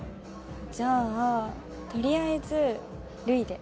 じゃあとりあえずルイで。